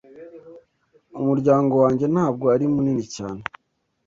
Umuryango wanjye ntabwo ari munini cyane.